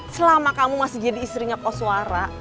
selama kamu masih jadi istrinya koswara